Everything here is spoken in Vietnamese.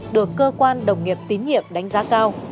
được cơ quan đồng nghiệp tín nhiệm đánh giá cao